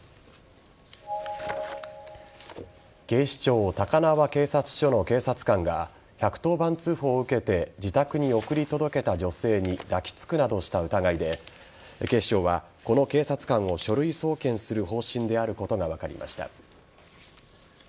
警視庁高輪警察署の警察官が１１０番通報を受けて自宅に送り届けた女性に抱きつくなどした疑いで警視庁は、この警察官を書類送検する方針であることが分かりました。